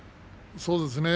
そうですね。